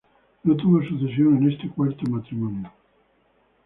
No tuvo sucesión en este cuarto matrimonio.